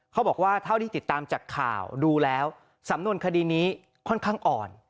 เขาบอกว่าเท่าที่ติดตามจากข่าวดูแล้วสำนวนคดีนี้ค่อนข้างอ่อน